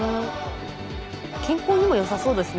健康にもよさそうですね